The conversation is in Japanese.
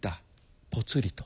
ぽつりと。